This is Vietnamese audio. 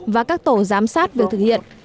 và các tổ giám sát việc thực hiện